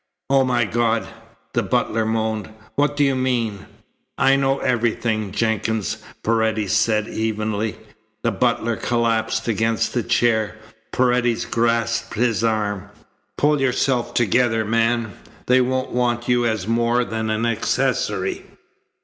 "Oh my God!" the butler moaned, "What do you mean?" "I know everything, Jenkins," Paredes said evenly. The butler collapsed against the chair. Paredes grasped his arm. "Pull yourself together, man. They won't want you as more than an accessory."